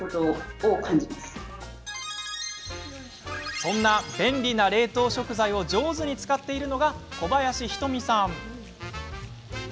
そんな便利な冷凍食材を上手に使っているのが小林瞳さん。